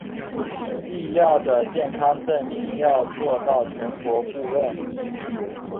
必要的健康证明要做到全国互认